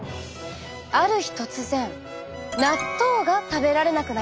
ある日突然納豆が食べられなくなりました。